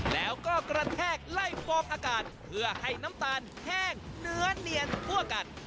แล้วก็กระแทกไล่ฟอร์มอากาศเพื่อให้น้ำตาลแห้งเนื้อเนียนทั่วกัน